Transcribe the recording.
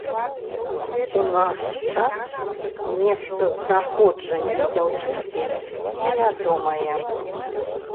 У наш час месцазнаходжанне дзяўчынкі невядомае.